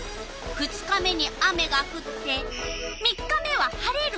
２日目に雨がふって３日目は晴れる。